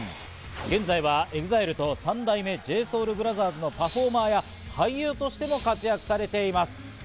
現在はＥＸＩＬＥと三代目ＪＳｏｕｌＢｒｏｔｈｅｒｓのパフォーマーや、俳優としても活躍されています。